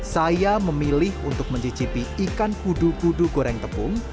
saya memilih untuk mencicipi ikan kudu kudu goreng tepung